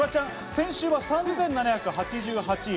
先週は３７８８位。